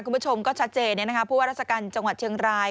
คุณผู้ชมก็ชัดเจนผู้ว่าราชการจังหวัดเชียงราย